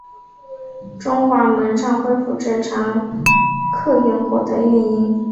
中华门站恢复正常客货运的运营。